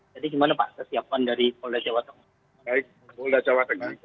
jadi bagaimana pak kesiapan dari polda jawa tengah